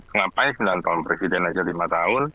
ngapain sembilan tahun presiden aja lima tahun